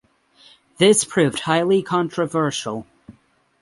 This proved highly controversial.